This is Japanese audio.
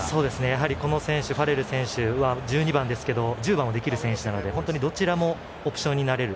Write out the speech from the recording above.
やはりファレル選手は１２番ですけど１０番をできる選手ですのでどちらもオプションになれる。